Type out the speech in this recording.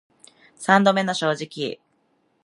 三度目の正直